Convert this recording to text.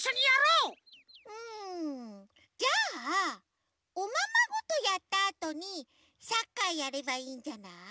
うんじゃあおままごとやったあとにサッカーやればいいんじゃない？